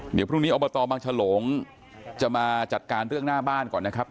เดี๋ยวพรุ่งนี้อบตบางฉลงจะมาจัดการเรื่องหน้าบ้านก่อนนะครับ